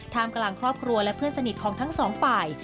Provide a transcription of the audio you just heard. กำลังครอบครัวและเพื่อนสนิทของทั้งสองฝ่าย